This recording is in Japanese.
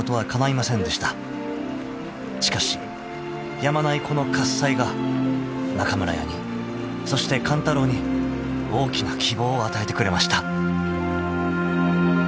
［しかしやまないこの喝采が中村屋にそして勘太郎に大きな希望を与えてくれました］